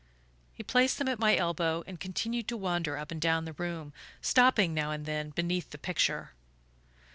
He placed them at my elbow and continued to wander up and down the room, stopping now and then beneath the picture.